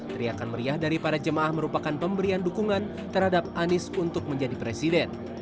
teriakan meriah dari para jemaah merupakan pemberian dukungan terhadap anies untuk menjadi presiden